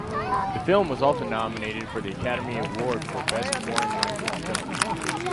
The film was also nominated for the Academy Award for Best Foreign Language Film.